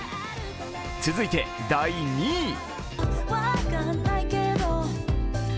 続いて第２位。